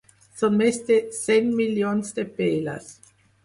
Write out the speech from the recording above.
Són més de cent milions de peles.